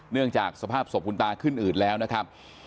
เนื่องจากสภาพศพคุณตาขึ้นอืดแล้วนะครับ